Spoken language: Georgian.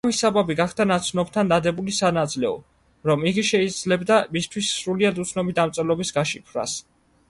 ამის საბაბი გახდა ნაცნობთან დადებული სანაძლეო, რომ იგი შეძლებდა მისთვის სრულიად უცნობი დამწერლობის გაშიფვრას.